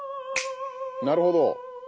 なるほど！